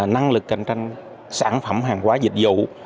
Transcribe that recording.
năng lực cạnh tranh sản phẩm hàng hóa dịch vụ